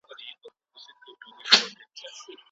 تدریسي نصاب بې له ځنډه نه پیلیږي.